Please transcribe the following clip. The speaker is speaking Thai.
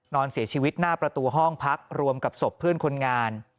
นอนเสียชีวิตหน้าประตูห้องพักรวมกับศพเพื่อนคนงาน